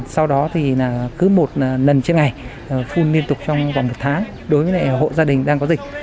sau đó thì là cứ một lần trên ngày phun liên tục trong vòng một tháng đối với hộ gia đình đang có dịch